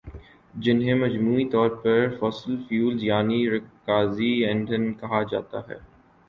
جنہیں مجموعی طور پر فوسل فیول یعنی رکازی ایندھن کہا جاتا ہے